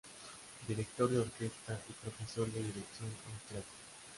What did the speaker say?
Director de orquesta y profesor de dirección austriaco.